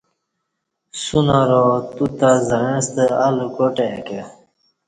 سن ارا توتہ زعیݩسہ ال کاٹ آی کہ